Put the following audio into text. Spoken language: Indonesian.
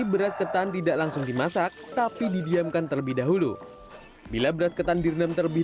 beras ketan tidak langsung dimasak tapi didiamkan terlebih dahulu bila beras ketan direndam terlebih